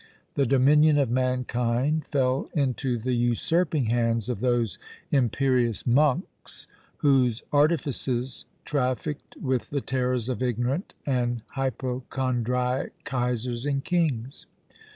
The dominion of mankind fell into the usurping hands of those imperious monks whose artifices trafficed with the terrors of ignorant and hypochondriac "Kaisers and kings."